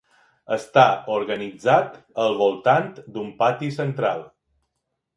Està organitzat al voltant d'un pati central.